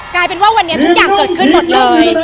กลายเป็นว่าวันนี้ทุกอย่างเกิดขึ้นหมดเลย